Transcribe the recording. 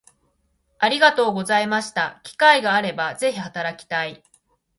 ありがとうございました機会があれば是非働きたい